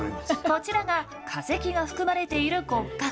こちらが化石が含まれている骨格。